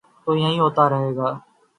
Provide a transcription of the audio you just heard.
تو یہی ہو تا رہے گا۔